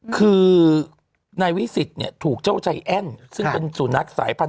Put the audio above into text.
เค้าบอกเป็นลูกผสม